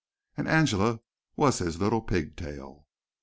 And Angela was his "little pigtail."